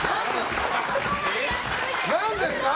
何ですか？